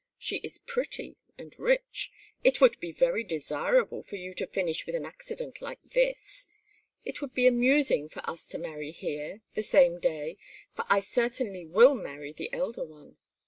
She is pretty and rich! It would be very desirable for you to finish with an accident like this! it would be amusing for us to marry here, the same day, for I certainly will marry the elder one.